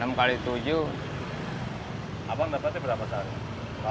abang dapatnya berapa sehari